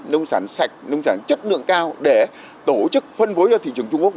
nông sản sạch nông sản chất lượng cao để tổ chức phân phối ra thị trường trung quốc